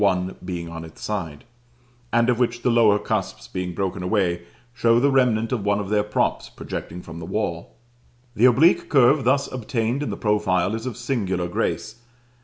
1 being on its side), and of which the lower cusps, being broken away, show the remnant of one of their props projecting from the wall. The oblique curve thus obtained in the profile is of singular grace.